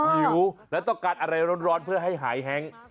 หิวแล้วต้องการอะไรร้อนเพื่อให้หายแฮง